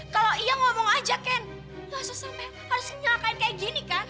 kalau iya ngomong aja ken langsung sampai harus menyelakain kayak gini kan